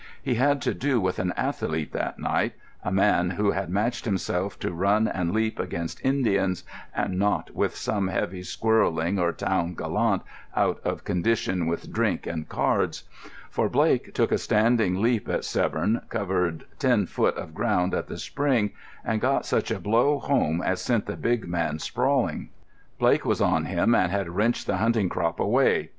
He had to do with an athlete that night, a man who had matched himself to run and leap against Indians, and not with some heavy squireling or town gallant out of condition with drink and cards. For Blake took a standing leap at Severn, covered ten foot of ground at the spring, and got such a blow home as sent the big man sprawling. Blake was on him, and had wrenched the hunting crop away.